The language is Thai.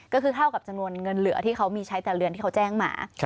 ก็คือเท่ากับจำนวนเงินเหลือที่เขามีใช้แต่เรือนที่เขาแจ้งมา